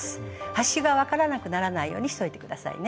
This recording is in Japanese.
端が分からなくならないようにしといて下さいね。